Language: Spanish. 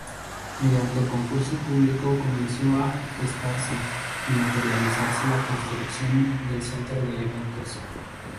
Mediante concurso público comenzó a gestarse y materializarse la construcción del centro de eventos.